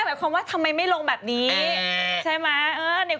คุณแม่คำว่าทำไมไม่ลงแบบนี้ใช่ไหม